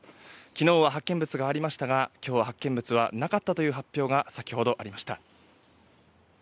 昨日は発見物がありましたが今日はなかったという発表が先ほどありました。